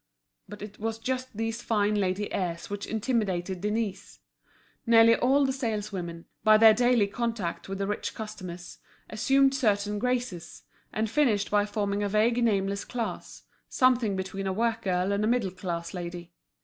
But it was just these fine lady airs which intimidated Denise. Nearly all the saleswomen, by their daily contact with the rich customers, assumed certain graces, and finished by forming a vague nameless class, something between a work girl and a middle class lady.